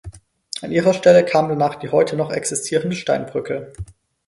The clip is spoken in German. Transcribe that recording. An ihre Stelle kam danach die heute noch existierende Steinbrücke.